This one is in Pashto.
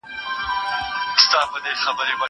زه اوږده وخت د لوبو لپاره وخت نيسم وم!